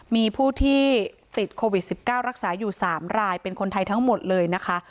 มีผู้ที่ติดโควิด๑๙รักษาอยู่๓รายเป็นคนไทยทั้งหมดเลยนะคะ